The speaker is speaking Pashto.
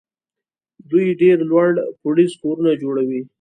دوی ډېر لوړ پوړیز کورونه جوړوي.